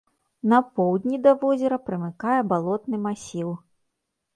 На поўдні да возера прымыкае балотны масіў.